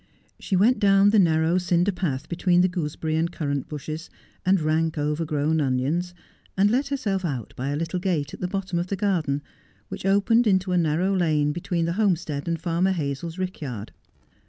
She went down the narrow cinder path between the goose berry and cunant bushes, and rank overgrown onions, and let herself out by a little gate at the bottom of the garden, which opened into a narrow lane between the Homestead and "Farmer Hazel's rick yard.